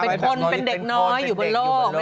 เป็นคนเป็นเด็กน้อยอยู่บนโลก